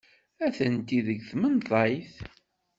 Atenti deg tmenḍayt.